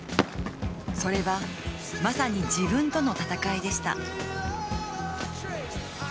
それがまさに自分との戦いでした。